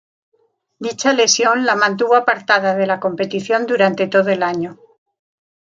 Dicha lesión la mantuvo apartada de la competición durante todo el año.